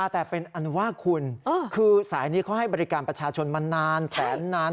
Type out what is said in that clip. แต่เป็นอันว่าคุณคือสายนี้เขาให้บริการประชาชนมานานแสนนาน